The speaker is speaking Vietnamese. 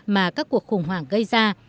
mà các cuộc khủng hoảng gây ra